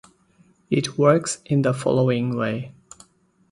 It works in the following way.